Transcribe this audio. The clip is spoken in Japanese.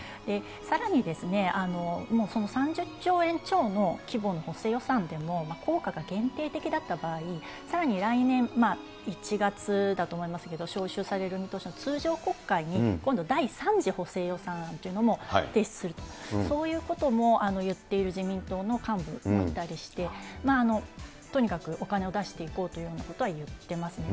さらにもうその３０兆円超の規模の補正予算でも効果が限定的だった場合、さらに来年１月だと思いますけれども、召集される見通しの通常国会に今度、第３次補正予算案というのも提出すると、そういうことも言っている自民党の幹部もいたりして、とにかくお金を出していこうというようなことは言ってますね。